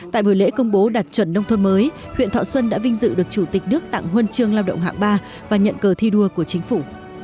tại buổi lễ công bố đạt chuẩn nông thôn mới huyện thọ xuân đã vinh dự được chủ tịch nước tặng huân chương lao động hạng ba và nhận cờ thi đua của chính phủ